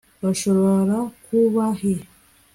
bashobora kuba he